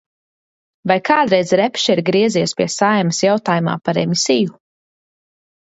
Vai kādreiz Repše ir griezies pie Saeimas jautājumā par emisiju?